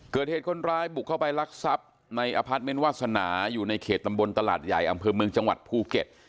เกิดเหตุคนร้ายบุกเข้าไปรักทรัพย์ในอพาร์ทเมนต์วาสนาอยู่ในเขตตำบลตลาดใหญ่อำเภอเมืองจังหวัดภูเก็ต